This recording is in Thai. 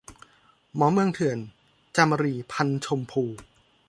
หมอเมืองเถื่อน - จามรี พรรณชมพู